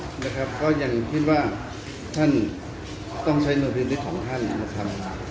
ความคิดนะครับก็ยังคิดว่าท่านต้องใช้โน้ทพิธีของท่านมาทำ